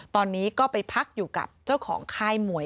ตอนนี้ก็ไปพักอยู่กับเจ้าของค่ายมวย